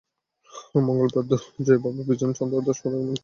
মঙ্গলবার দুর্জয়ের বাবা বিজন চন্দ্র দাস সদর মডেল থানায় জিডি করেন।